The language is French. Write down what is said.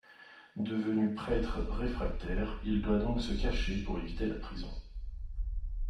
Devenu prêtre réfractaire, il doit donc se cacher pour éviter la prison.